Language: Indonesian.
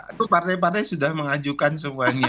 itu partai partai sudah mengajukan semuanya